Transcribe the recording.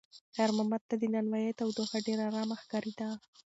خیر محمد ته د نانوایۍ تودوخه ډېره ارامه ښکارېده.